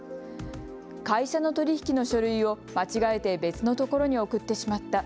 会社の取り引きの書類を間違えて別の所に送ってしまった。